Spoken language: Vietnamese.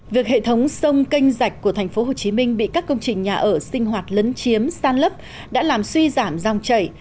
việc hệ thống sông canh rạch của tp hcm bị các công trình nhà ở sinh hoạt lấn chiếm san lấp đã làm suy giảm dòng chảy